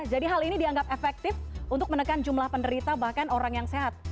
jadi hal ini dianggap efektif untuk menekan jumlah penderita bahkan orang yang sehat